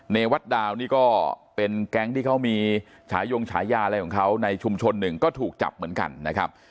วัดดาวนี่ก็เป็นแก๊งที่เขามีฉายงฉายาอะไรของเขาในชุมชนหนึ่งก็ถูกจับเหมือนกันนะครับ